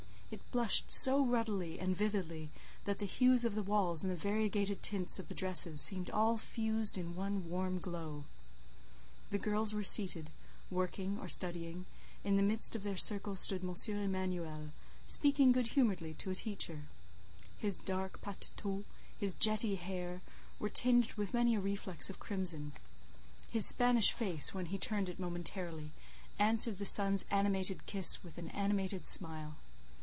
It blushed so ruddily and vividly, that the hues of the walls and the variegated tints of the dresses seemed all fused in one warm glow. The girls were seated, working or studying; in the midst of their circle stood M. Emanuel, speaking good humouredly to a teacher. His dark paletôt, his jetty hair, were tinged with many a reflex of crimson; his Spanish face, when he turned it momentarily, answered the sun's animated kiss with an animated smile.